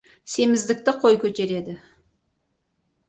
Семіздікті қой көтереді.